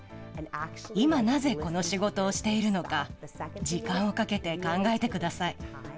今、なぜこの仕事をしているのか、時間をかけて考えてください。